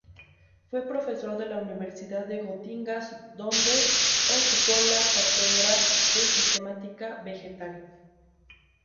Fue profesor de la Universidad de Gotinga, donde ocupó la cátedra de Sistemática Vegetal.